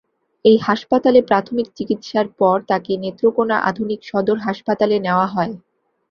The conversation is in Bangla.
এই হাসপাতালে প্রাথমিক চিকিৎসার পর তাকে নেত্রকোনা আধুনিক সদর হাসপাতালে নেওয়া হয়।